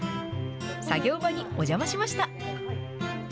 作業場にお邪魔しました。